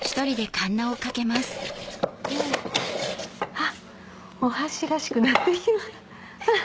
あっお箸らしくなって。